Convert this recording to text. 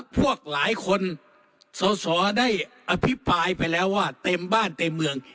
พวกหลายคนสอสอได้อภิปรายไปแล้วว่าเต็มบ้านเต็มเมือง